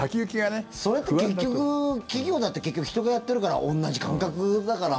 それって結局企業だって結局、人がやってるから同じ感覚だから。